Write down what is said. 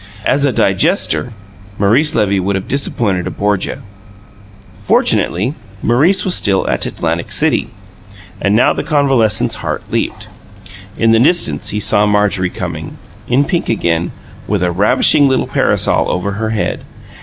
As a digester, Maurice Levy would have disappointed a Borgia. Fortunately, Maurice was still at Atlantic City and now the convalescent's heart leaped. In the distance he saw Marjorie coming in pink again, with a ravishing little parasol over her head.